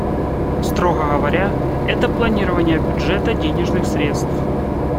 Строго говоря, это планирование бюджета денежных средств.